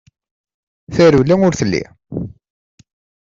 Tarewla ur telli.